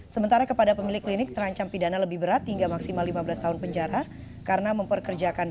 sementara kepentingan dokter asing yang diperkirakan